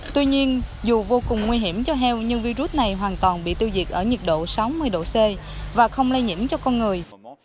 tuy nhiên dù vô cùng nguy hiểm cho heo nhưng virus này hoàn toàn bị tiêu diệt ở nhiệt độ sáu mươi độ c và không lây nhiễm cho con người